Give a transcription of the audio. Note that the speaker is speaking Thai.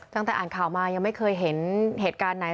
ตั้งแต่อ่านข่าวมายังไม่เคยเห็นเหตุการณ์ไหน